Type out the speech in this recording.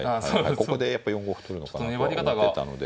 ここでやっぱ４五歩取るのかなと思ってたので。